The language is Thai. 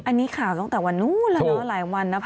อันนี้ข่าวตั้งแต่วันนู้นแล้วนะหลายวันนะคะ